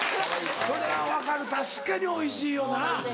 それは分かる確かにおいしいよな。